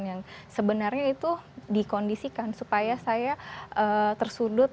yang sebenarnya itu dikondisikan supaya saya tersudut